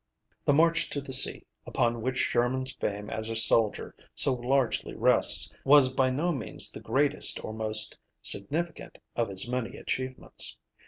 The March to the Sea, upon which Sherman's fame as a soldier so largely rests, was by no means the greatest or most significant of his many achievements.